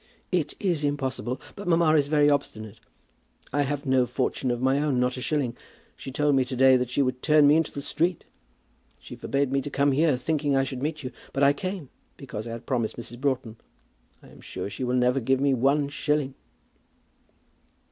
"It is impossible; but mamma is very obstinate. I have no fortune of my own, not a shilling. She told me to day that she would turn me into the street. She forbade me to come here, thinking I should meet you; but I came, because I had promised Mrs. Broughton. I am sure that she will never give me one shilling."